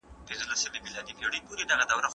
بچیان باید په زوره لوستلو ته مجبور نه کړل سي.